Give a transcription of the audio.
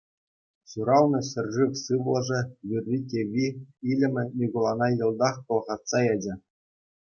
Ҫуралнӑ ҫӗршыв сывлӑшӗ, юрри-кӗвви, илемӗ Микулана йӑлтах пӑлхатса ячӗ.